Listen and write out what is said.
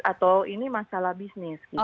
atau ini masalah bisnis